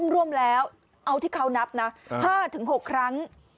ร่วมแล้วเอาที่เขานับนะ๕๖ครั้ง